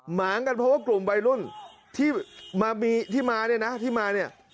หมางกันเพราะว่ากลุ่มวัยรุ่นที่มามีที่มาเนี่ยนะที่มาเนี่ย